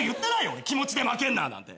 俺気持ちで負けんな！なんて。